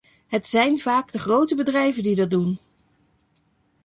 Het zijn vaak de grote bedrijven die dat doen.